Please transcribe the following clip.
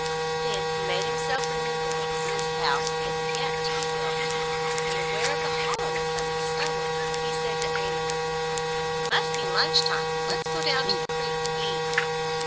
Then he made himself remember that his house had yet to be built, and aware of the hollowness of his stomach, he said to Amos: "Must be lunch time. Let's go down to the creek to eat."